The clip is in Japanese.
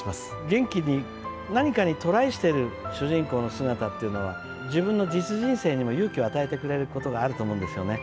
元気に、何かにトライしている主人公の姿っていうのは、自分の実人生にも勇気を与えてくれることが、あると思うんですよね。